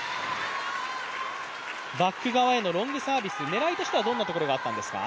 バック側へのロングサービス、狙いとしてはどんなところがあったんですか？